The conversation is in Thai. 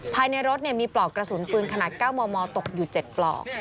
ภายในรถมีปลอกกระสุนปืนขนาด๙มมตกอยู่๗ปลอก